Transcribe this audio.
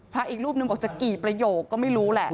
อีกรูปนึงบอกจะกี่ประโยคก็ไม่รู้แหละ